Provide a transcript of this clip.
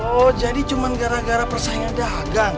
oh jadi cuma gara gara persaingan dagang